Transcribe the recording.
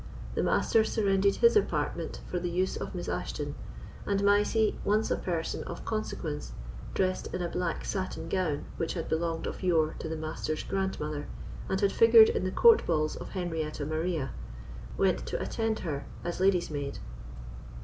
The Master surrendered his apartment for the use of Miss Ashton, and Mysie, once a person of consequence, dressed in a black satin gown which had belonged of yore to the Master's grandmother, and had figured in the court balls of Henrietta Maria, went to attend her as lady's maid.